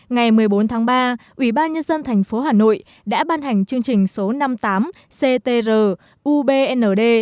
ngày một mươi bốn tháng ba ủy ban nhân dân thành phố hà nội đã ban hành chương trình số năm mươi tám ctr ubnd